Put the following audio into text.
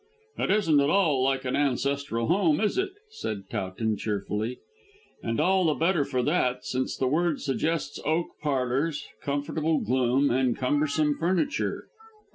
"It isn't at all like an ancestral home, is it?" said Towton cheerfully. "And all the better for that, since the word suggests oak parlours, comfortable gloom, and cumbersome furniture."